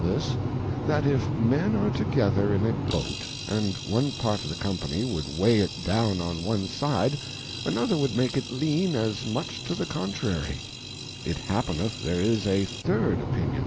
Jhis, That if Men are together in a Boat, and one pstriMftM^Qompany would weigh it down on one side, another would make it lean as much to the contrary; it happeneth there is a third Opinion.